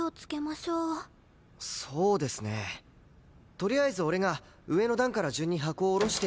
とりあえず俺が上の段から順に箱を下ろしていくので。